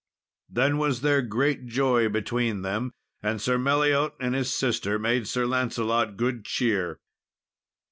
Then was there great joy between him and Sir Meliot; and his sister made Sir Lancelot good cheer.